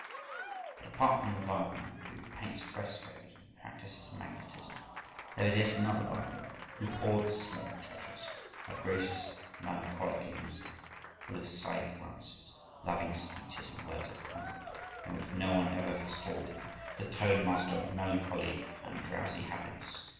But apart from the Wagner who paints frescoes and practises magnetism, there is yet another Wagner who hoards small treasures: our greatest melancholic in music, full of side glances, loving speeches, and words of comfort, in which no one ever forestalled him,—the tone master of melancholy and drowsy happiness.